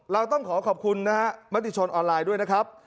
เราต้องขอขอบคุณนะฮะมติชนออนไลน์ด้วยนะครับ